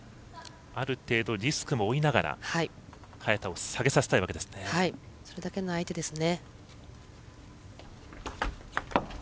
ある程度リスクも負いながらそれだけの相手ですね。